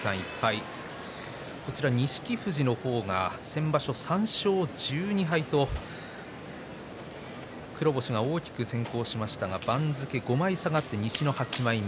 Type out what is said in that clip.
富士の方は先場所３勝１２敗と黒星が大きく先行しましたが番付５枚下がって西の８枚目。